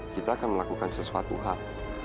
kita akan melakukan sesuatu hal